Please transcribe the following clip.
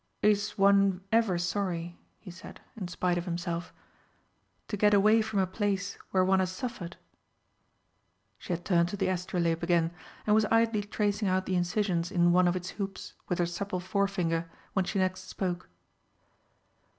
"Is one ever sorry," he said, in spite of himself, "to get away from a place where one has suffered?" She had turned to the astrolabe again, and was idly tracing out the incisions in one of its hoops with her supple forefinger, when she next spoke.